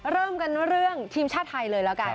เริ่มกันเรื่องทีมชาติไทยเลยแล้วกัน